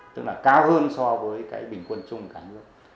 tức là cao hơn so với cái bình quân chung cả nước